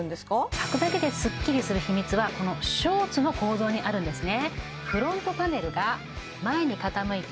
はくだけでスッキリする秘密はこのショーツの構造にあるんですね